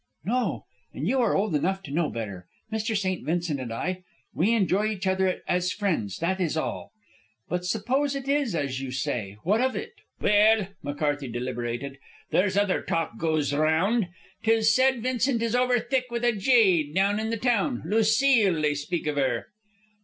"No; and you are old enough to know better. Mr. St. Vincent and I we enjoy each other as friends, that is all. But suppose it is as you say, what of it?" "Well," McCarthy deliberated, "there's other talk goes round, 'Tis said Vincent is over thick with a jade down in the town Lucile, they speak iv her."